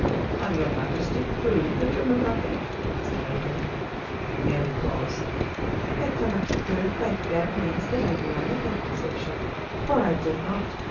"Can your Majesty prove that you knew nothing?" asked Melville. Mary paused. "They cannot prove by fair means that I knew anything," said she, "for I did not.